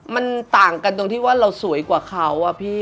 มันต่างกันตรงที่ว่าเราสวยกว่าเขาอะพี่